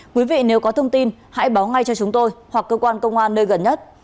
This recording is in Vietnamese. quý vị nếu có thông tin hãy báo ngay cho chúng tôi hoặc cơ quan công an nơi gần nhất